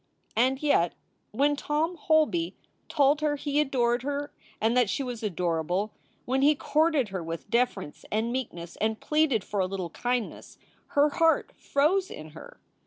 And yet, when Tom Holby told her he adored her and that she was adorable; when he courted her with deference and meekness and pleaded for a little kindness her heart froze in her.